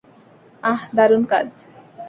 আহ, দারুণ কাজ।